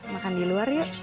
makan di luar yuk